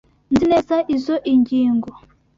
Nzi neza izoi ngingo.